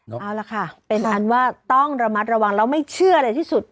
เอาล่ะค่ะเป็นอันว่าต้องระมัดระวังแล้วไม่เชื่ออะไรที่สุด